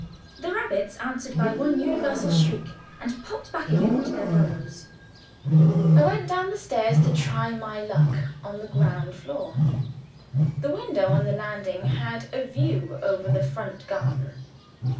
The rabbits answered by one universal shriek, and popped back again into their burrows. I went down the stairs to try my luck on the ground floor. The window on the landing had a view over the front garden.